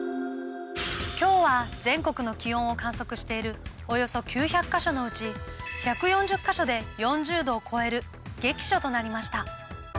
今日は全国の気温を観測しているおよそ９００か所のうち１４０か所で４０度を超える激暑となりました。